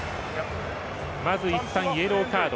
まずいったんイエローカード。